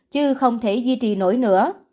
chứ không thể duy trì nổi nữa